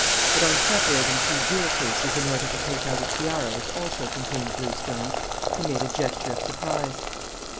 But, on separating two jewel cases in order to take out a tiara which also contained blue stones, he made a gesture of surprise.